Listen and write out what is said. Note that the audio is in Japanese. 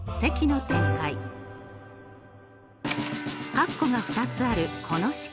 かっこが２つあるこの式。